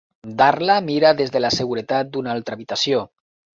Darla mira des de la seguretat d'una altra habitació.